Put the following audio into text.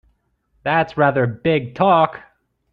That's rather big talk!